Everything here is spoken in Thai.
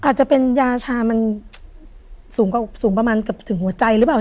อาจจะเป็นยาชามันสูงประมาณเกือบถึงหัวใจหรือเปล่า